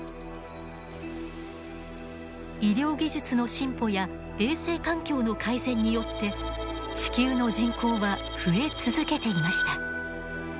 医療技術の進歩や衛生環境の改善によって地球の人口は増え続けていました。